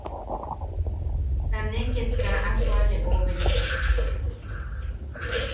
Ta ne ket kaa a suale oben.